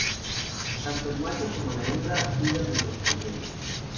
Tanto el macho como la hembra cuidan de los polluelos.